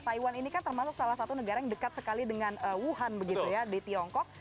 taiwan ini kan termasuk salah satu negara yang dekat sekali dengan wuhan begitu ya di tiongkok